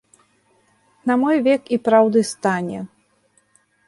На мой век і праўды стане.